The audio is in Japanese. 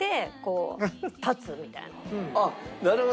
あっなるほど。